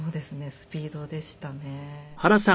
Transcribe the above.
スピードでしたね。